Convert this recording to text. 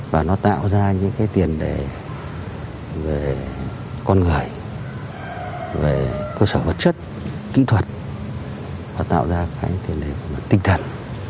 và nó tạo ra những cái tiền để về con người về cơ sở vật chất kỹ thuật và tạo ra cái tiền mặt tinh thần